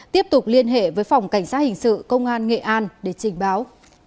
tiếp tục liên hệ với phòng cảnh sát hình sự công an nghệ an để trình báo